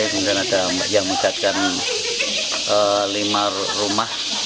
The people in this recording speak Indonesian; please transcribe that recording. kemudian ada yang megatkan lima rumah